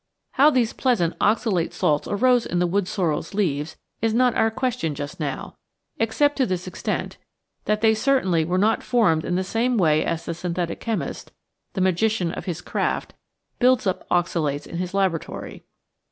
How these pleasant oxalate salts arose in the Wood Sorrel's leaves is not our question just now, except to this extent, that they certainly were not formed in the same way as the synthetic chemist the magician of his craft builds up oxalates in his laboratory.